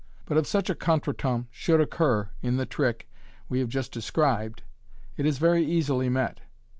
But if such a contretemps should occur in the trick we have just described, it is very easily met.